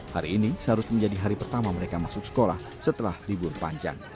hari ini seharusnya menjadi hari pertama mereka masuk sekolah setelah libur panjang